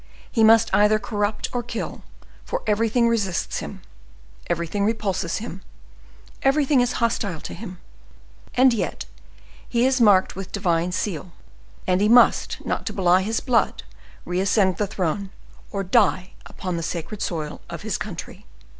He must either corrupt or kill, for everything resists him, everything repulses him, everything is hostile to him; and yet he is marked with divine seal, and he must, not to belie his blood, reascend the throne, or die upon the sacred soil of his country.